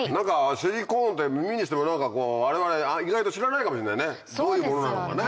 シリコーンって耳にしても我々意外と知らないかもしんないねどういうものなのかね。